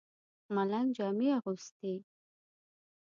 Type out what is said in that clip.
ملنګ جامې اغوستې.